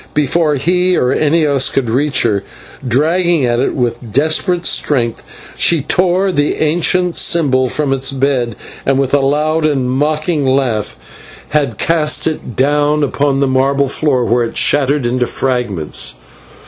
Before he or any of us could reach her, dragging at it with desperate strength, she tore the ancient symbol from its bed, and with a loud and mocking laugh had cast it down upon the marble floor, where it shattered into fragments.